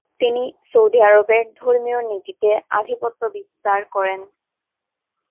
তিনি সৌদি আরবের ধর্মীয় নীতিতে আধিপত্য বিস্তার করেন।